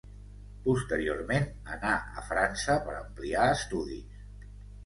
Posteriorment anà a França per ampliar estudis.